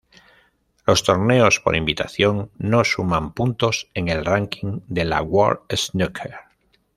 Los torneos por invitación no suman puntos en el ranking de la "World Snooker".